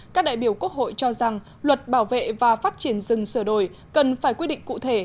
các đại biểu quốc hội cho rằng luật bảo vệ và phát triển rừng sửa đổi cần phải quy định cụ thể